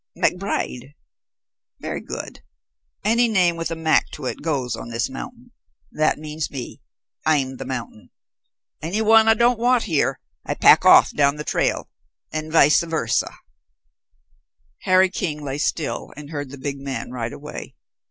McBride, very good. Any name with a Mac to it goes on this mountain that means me. I'm the mountain. Any one I don't want here I pack off down the trail, and vice versa." Harry King lay still and heard the big man ride away.